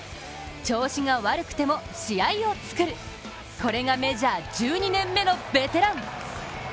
調子が悪くても、試合を作る、これがメジャー１２年目のベテラン。